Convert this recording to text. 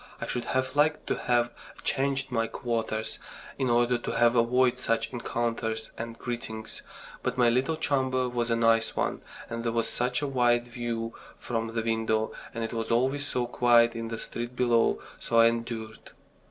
I should have liked to have changed my quarters in order to have avoided such encounters and greetings; but my little chamber was a nice one, and there was such a wide view from the window, and it was always so quiet in the street below so I endured.